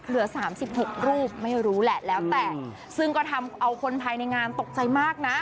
เหลือ๓๖รูปไม่รู้แหละซึ่งก็ทำเอาคนภายในงานตกใจมากนะ